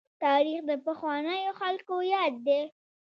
تاريخ د پخوانیو خلکو ياد دی.